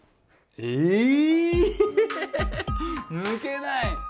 え抜けない。